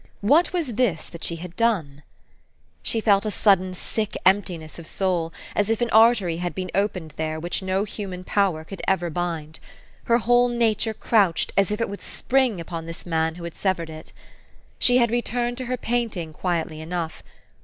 What was this that she had done? She felt a sudden sick emptiness of soul, as if an artery had been opened there, which no human power could ever bind. Her whole nature crouched, as if it would spring upon this man who had severed it. She had returned to her painting quietly enough.